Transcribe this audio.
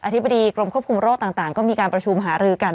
ธิบดีกรมควบคุมโรคต่างก็มีการประชุมหารือกัน